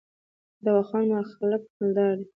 د واخان خلک مالدار دي